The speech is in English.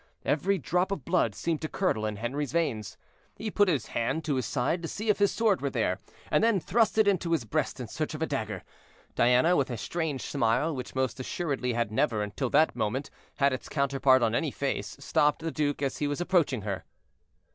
Every drop of blood seemed to curdle in Henri's veins. He put his hand to his side to see if his sword were there, and then thrust it into his breast in search of a dagger. Diana, with a strange smile, which most assuredly had never, until that moment, had its counterpart on any face, stopped the duke as he was approaching her.